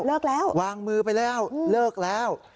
เลิกแล้ววางมือไปแล้วเลิกแล้ว